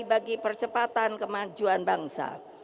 bagi percepatan kemajuan bangsa